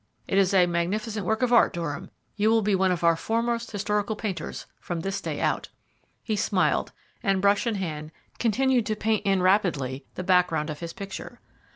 "It is a magnificent work of art, Durham. You will be one of our foremost historical painters from this day out." He smiled, and, brush in hand, continued to paint in rapidly the background of his picture.